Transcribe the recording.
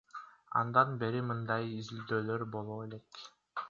Андан бери мындай изилдөөлөр боло элек.